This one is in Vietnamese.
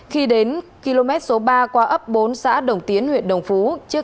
khi đến km số ba qua ấp bốn xã đồng tiến huyện đồng phú